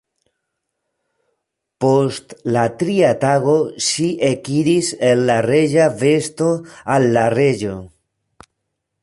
Post la tria tago ŝi ekiris en la reĝa vesto al la reĝo.